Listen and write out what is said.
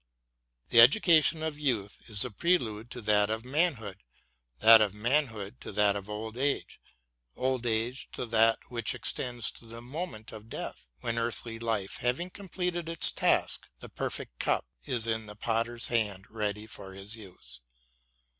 The education of youth is the prelude to that of manhood, that of manhood to that of old age, old age to that which extends to the moment of death, when, earthly life having completed its task, the perfect cup is in the Potter's hand ready for His use.